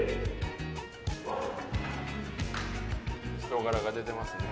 人柄が出てますね。